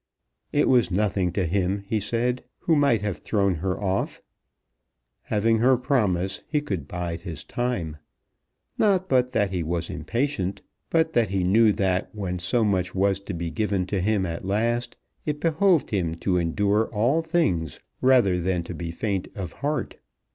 It was nothing to him, he said, who might have thrown her off. Having her promise, he could bide his time. Not but that he was impatient; but that he knew that when so much was to be given to him at last, it behoved him to endure all things rather than to be faint of heart.